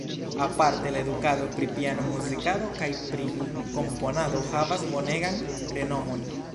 Aparte la edukado pri piano-muzikado kaj pri komponado havas bonegan renomon.